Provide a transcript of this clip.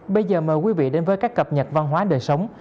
bây giờ mời quý vị đến với các cập nhật văn hóa đời sống